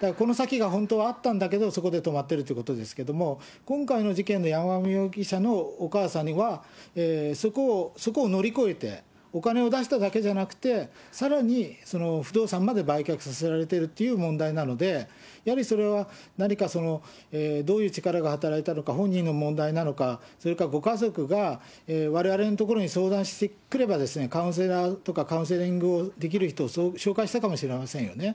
だからこの先があったんだけど、そこで止まってるということですけど、今回の事件の山上容疑者のお母さんには、そこを乗り越えて、お金を出しただけじゃなくて、さらに不動産まで売却させられているという問題なので、やはりそれは、何かそのどういう力が働いたのか、本人の問題なのか、それかご家族がわれわれのところに相談してくれば、カウンセラーとか、カウンセリングをできる人を紹介したかもしれませんよね。